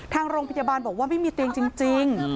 ทางโรงพยาบาลบอกว่าไม่มีเตียงจริง